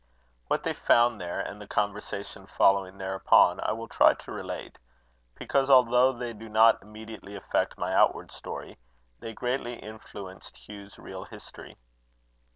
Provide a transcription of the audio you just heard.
What they found there, and the conversation following thereupon, I will try to relate, because, although they do not immediately affect my outward story, they greatly influenced Hugh's real history.